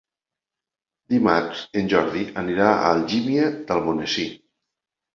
Dimarts en Jordi anirà a Algímia d'Almonesir.